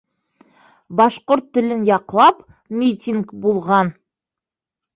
Башҡорт телен яҡлап митинг булған.